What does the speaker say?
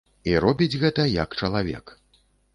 І робіць гэта як чалавек.